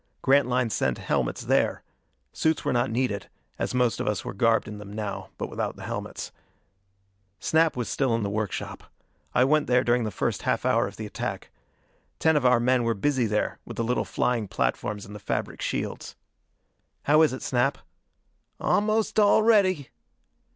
Grantline sent helmets there; suits were not needed, as most of us were garbed in them now, but without the helmets. Snap was still in the workshop. I went there during this first half hour of the attack. Ten of our men were busy there with the little flying platforms and the fabric shields. "How is it, Snap?" "Almost all ready."